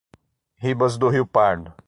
Ribas do Rio Pardo